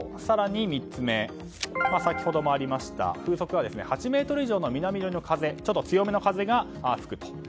更に３つ目、先ほどもありました風速８メートル以上の南寄りのちょっと強めの風が吹くと。